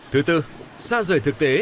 thứ tư xa rời thực tế